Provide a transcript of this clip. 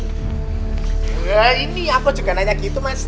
wah ini aku juga nanya gitu mas